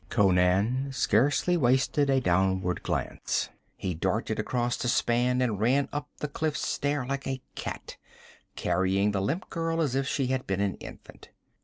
Conan scarcely wasted a downward glance. He darted across the span and ran up the cliff stair like a cat, carrying the limp girl as if she had been an infant.